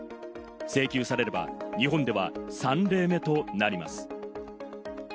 請求されれば、日本では３例目となります。